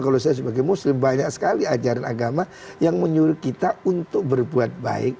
kalau saya sebagai muslim banyak sekali ajaran agama yang menyuruh kita untuk berbuat baik